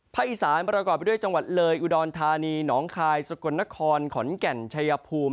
อีสานประกอบไปด้วยจังหวัดเลยอุดรธานีหนองคายสกลนครขอนแก่นชัยภูมิ